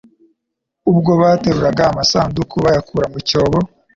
Ubwo bateruraga amasanduku bayakura mu cyobo